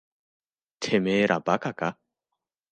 てめえら馬鹿か。